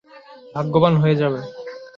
ভাগ্যবান হয়ে যাবে।